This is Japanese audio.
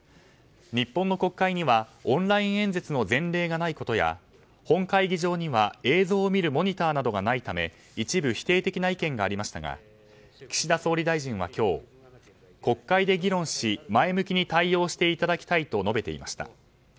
日本の国会にはオンライン演説の前例がないことや本会議場には、映像を見るモニターなどがないため一部否定的な意見がありましたが岸田総理大臣は今日国会で議論し前向きに対応していただきたいと述べていました。